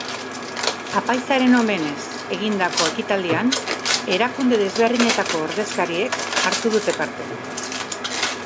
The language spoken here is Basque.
Apaizaren omenez egindako ekitaldian erakunde desberdinetako ordezkariek hartu dute parte.